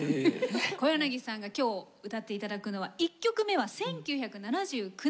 小柳さんが今日歌って頂くのは１曲目は１９７９年のリリースです。